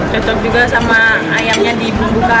contoh juga sama ayamnya di bumbu kari